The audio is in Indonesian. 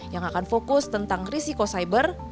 yang akan fokus tentang risiko cyber